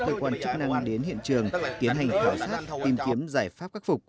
tìm các cơ quan chức năng đến hiện trường kiến hành khảo sát tìm kiếm giải pháp khắc phục